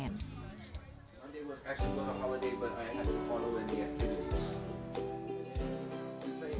kampung inggris pare memiliki kebanyakan pengajar yang mengikuti akibatnya